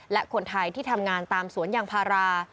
และคนไทยที่ทำงานตามสวนยางพารา